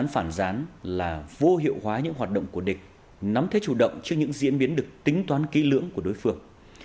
phản gián là vô hiệu hóa những hoạt động của địch nắm thế chủ động trước những diễn biến được tính toán kỹ lưỡng của đối phương